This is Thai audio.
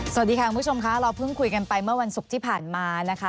สวัสดีค่ะคุณผู้ชมค่ะเราเพิ่งคุยกันไปเมื่อวันศุกร์ที่ผ่านมานะคะ